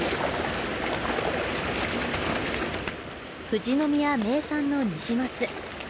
富士宮名産のニジマス